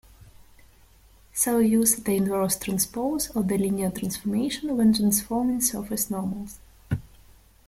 So use the inverse transpose of the linear transformation when transforming surface normals.